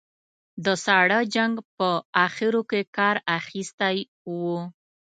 د ساړه جنګ په اخرو کې کار اخیستی و.